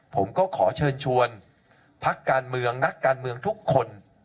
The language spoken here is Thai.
ผมก็ขอเชิญชวนพักการเมืองนักการเมืองทุกคน